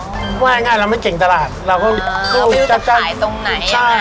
ว่าง่ายง่ายเราไม่เก่งตลาดอ๋อเราไม่รู้จะขายตรงไหนใช่